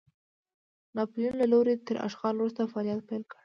ناپلیون له لوري تر اشغال وروسته فعالیت پیل کړ.